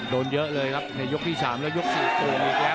โดนเยอะเลยครับยกที่๓แล้วยกที่๔โปร่งอีกแล้ว